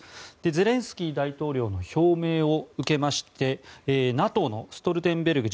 ゼレンスキー大統領の表明を受けましてＮＡＴＯのストルテンベルグ